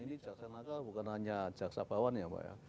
ini jaksa nakal bukan hanya jaksa bawan ya pak ya